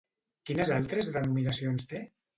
Quines altres denominacions té?